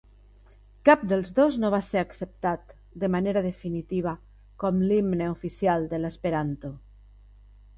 Cap dels dos no va ser acceptat, de manera definitiva, com l'himne oficial de l'esperanto.